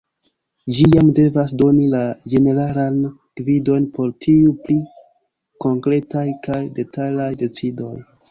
Ĝi jam devas doni la ĝeneralan gvidon por tiuj pli konkretaj kaj detalaj decidoj.